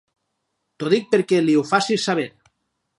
T'ho dic perquè li ho facis saber.